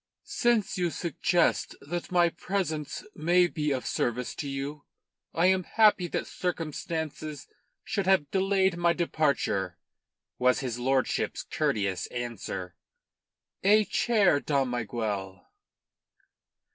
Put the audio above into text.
"Since you suggest that my presence may be of service to you, I am happy that circumstances should have delayed my departure," was his lordship's courteous answer. "A chair, Dom Miguel."